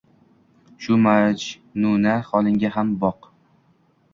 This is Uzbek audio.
Shu majnuna holingda ham, boq